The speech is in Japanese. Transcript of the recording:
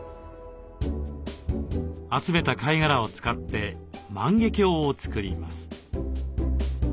集めた貝殻を使って万華鏡を作ります。